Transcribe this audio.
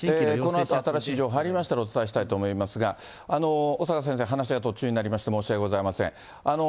このあと新しい情報、入りましたら、お伝えしたいと思いますが、小坂先生、話が途中になりまして、申し訳ございません。